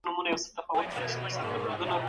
که تنوع موجوده وي نو لوستونکي زياتېږي.